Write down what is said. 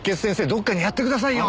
どっかにやってくださいよ！